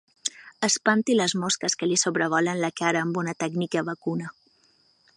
Espanti les mosques que li sobrevolen la cara amb una tècnica vacuna.